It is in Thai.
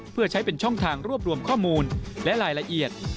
เพื่อใช้เป็นช่องทางรวบรวมข้อมูลและรายละเอียด